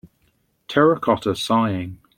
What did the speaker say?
Terracotta Sighing.